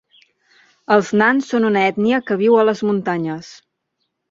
Els nans són una ètnia que viu a les muntanyes.